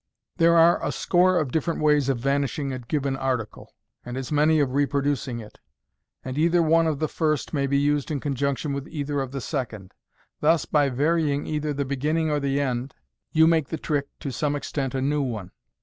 There are a score of different ways of vanishing a given article, and as many of reproducing it j and either one of the first may be used in conjunction with either of the second. Thus, by varying either the beginning or the end, /ou make the trick to some extent a new one.